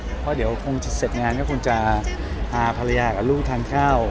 เพราะเดี๋ยวคงจะเสร็จงานก็คงจะพาภรรยากับลูกทานข้าว